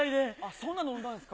そんな飲んだんですか。